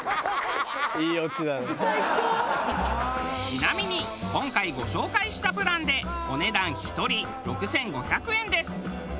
ちなみに今回ご紹介したプランでお値段１人６５００円です。